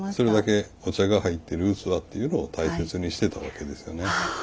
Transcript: それだけお茶が入ってる器っていうのを大切にしてたわけですよね。